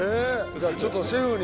犬磴ちょっとシェフに。